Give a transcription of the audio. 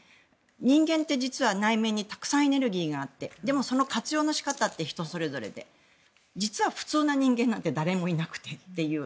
人間って実は内面にたくさんエネルギーがあってでも、その活用の仕方って人それぞれで実は、普通の人間なんて誰もいなくてという。